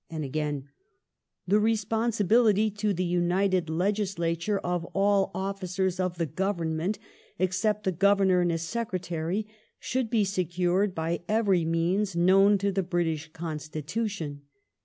"^^ And again :'* The responsibility to the United Legislature of all officers of the Government, except the Governor and his Secretary, should be secured by every means known to the British Constitution.